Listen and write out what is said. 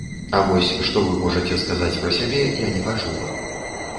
А вось што вы можаце сказаць пра сябе, я не пачула.